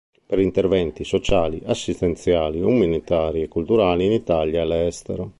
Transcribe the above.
Per interventi sociali, assistenziali, umanitari e culturali in Italia e all’estero.